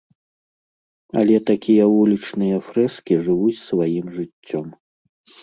Але такія вулічныя фрэскі жывуць сваім жыццём.